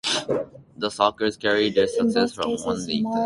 The Sockers carried their success from one league to the next.